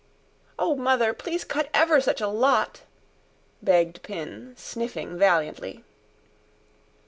"Oh, mother, please cut ever such a lot!" begged Pin sniffing valiantly.